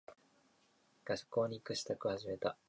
学校に行く支度を始めた。